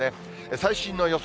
最新の予想